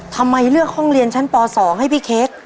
ทำไมเลือกห้องเรียนชั้นป๒ให้พี่เค้ก